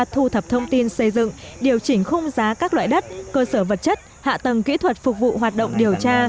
thu thập thông tin xây dựng điều chỉnh khung giá các loại đất cơ sở vật chất hạ tầng kỹ thuật phục vụ hoạt động điều tra